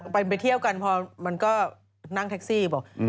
พอเมื่อเลี้ยวกันมันก็นั่งแท็คซี่